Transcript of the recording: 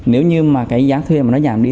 nếu như mà cái giá thuê mà nó giảm đi